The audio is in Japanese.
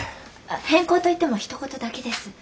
変更といってもひと言だけです。